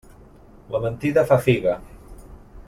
La mentida fa figa.